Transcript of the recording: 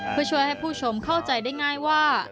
เพื่อช่วยให้ผู้ชมเข้าใจได้ง่ายว่า